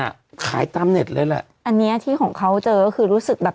แก่ไม่ขายตามเน็ตและอันนี้ที่ของเค้าเจอคือรู้สึกแบบ